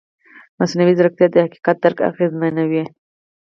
مصنوعي ځیرکتیا د حقیقت درک اغېزمنوي.